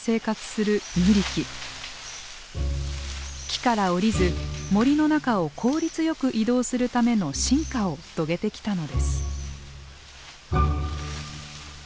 木から下りず森の中を効率よく移動するための進化を遂げてきたのです。